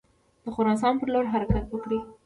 د خراسان پر لور حرکت وکړي.